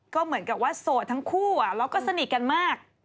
ก็เหมือนกับว่าโสดทั้งคู่แล้วก็สนิทกันมาก